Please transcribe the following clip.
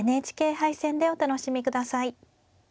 ＮＨＫ杯戦でお楽しみ下さい。